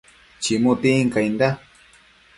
chimu tincainda